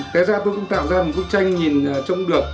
cái ra tôi cũng tạo ra một bức tranh nhìn trông được